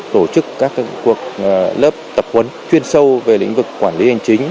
tổ chức các cuộc lớp tập huấn chuyên sâu về lĩnh vực quản lý hành chính